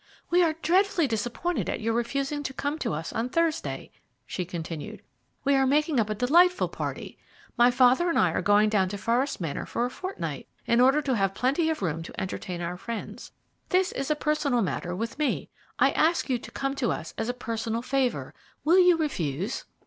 "We are dreadfully disappointed at your refusing to come to us on Thursday," she continued. "We are making up a delightful party. My father and I are going down to Forest Manor for a fortnight, in order to have plenty of room to entertain our friends. This is a personal matter with me. I ask you to come to us as a personal favour. Will you refuse?"